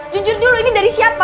jujur dulu ini dari siapa